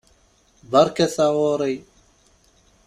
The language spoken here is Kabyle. Beṛka taɣuṛi!